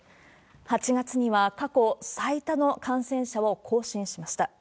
８月には過去最多の感染者を更新しました。